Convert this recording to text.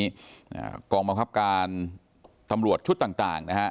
ช่วงเวลานี้กองบังคับการตำรวจชุดต่างนะฮะ